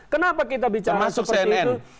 kenapa kita bicara seperti itu